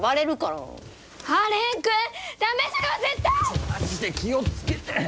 ちょマジで気を付けて。